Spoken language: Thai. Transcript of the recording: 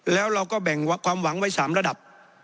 แล้วเราก็แบ่งความหวังไว้๓ระดับ